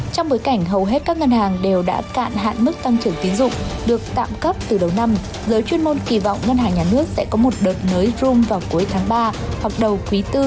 trong hạn mức tăng trưởng tiến dụng năm nay